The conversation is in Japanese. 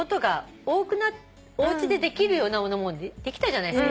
おうちでできるようなものもできたじゃないですか。